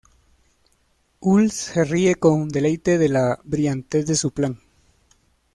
Uhl se ríe con deleite de la brillantez de su plan.